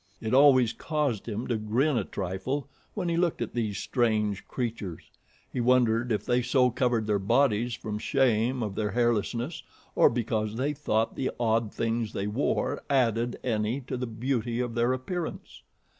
It always caused him to grin a trifle when he looked at these strange creatures. He wondered if they so covered their bodies from shame of their hairlessness or because they thought the odd things they wore added any to the beauty of their appearance.